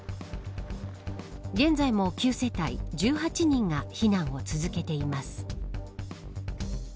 現在も９世帯１８人が避難を続けています。